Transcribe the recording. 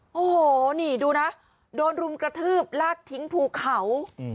โอ้โหนี่ดูนะโดนรุมกระทืบลากทิ้งภูเขา